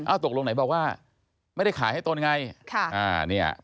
ตกลงไหนบอกว่าไม่ได้ขายให้ตนไง